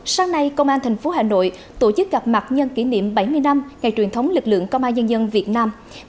sáng nay công an tp hà nội tổ chức gặp mặt nhân kỷ niệm bảy mươi năm ngày truyền thống lực lượng công an nhân dân việt nam